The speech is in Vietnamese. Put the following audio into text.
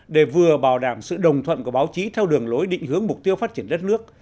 để vừa bảo đảm sự đồng thuận của báo chí theo đường lối định hướng mục tiêu phát triển đất nước